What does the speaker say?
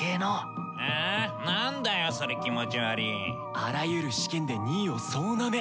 ・あらゆる試験で２位を総なめ！